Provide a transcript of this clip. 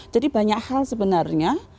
jadi banyak hal sebenarnya